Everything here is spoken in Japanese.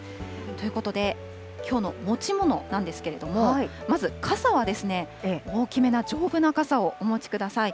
ということで、きょうの持ち物なんですけれども、まず傘は大きめな丈夫な傘をお持ちください。